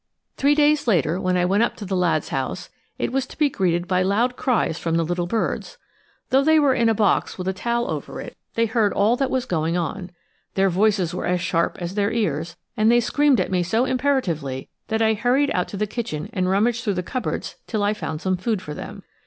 Three days later, when I went up to the lad's house, it was to be greeted by loud cries from the little birds. Though they were in a box with a towel over it, they heard all that was going on. Their voices were as sharp as their ears, and they screamed at me so imperatively that I hurried out to the kitchen and rummaged through the cupboards till I found some food for them.